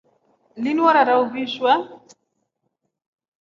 Linu warara uvishwa.